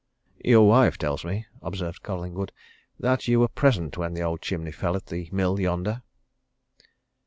"Your wife tells me," observed Collingwood, "that you were present when the old chimney fell at the mill yonder?"